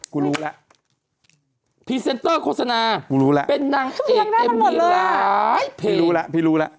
กูรู้ล่ะพรีเซนเตอร์โฆษณากูรู้ล่ะเป็นนางเอกเอ็มวีหลายเพลงพี่รู้ล่ะพี่รู้ล่ะ